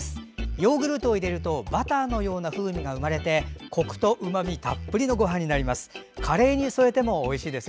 ヨーグルトを入れるとバターのような風味が生まれてこくとうまみたっぷりのごはんになります。